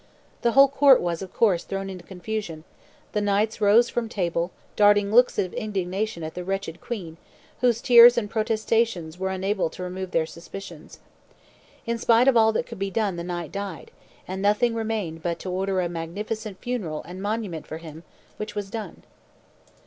The whole court was, of course, thrown into confusion; the knights rose from table, darting looks of indignation at the wretched queen, whose tears and protestations were unable to remove their suspicions. In spite of all that could be done the knight died, and nothing remained but to order a magnificent funeral and monument for him, which was done.